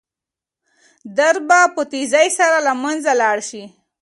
درد به په تېزۍ سره له منځه لاړ شي.